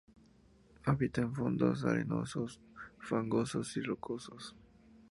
Habita en fondos arenosos, fangosos y rocosos.